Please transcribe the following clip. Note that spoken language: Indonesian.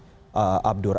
selamat pagi abdur